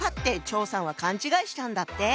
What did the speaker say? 張さんは勘違いしたんだって。